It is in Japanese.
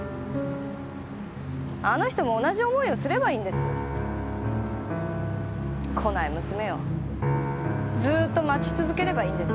あの人も同じ思いをすればいいんです。来ない娘をずーっと待ち続ければいいんです。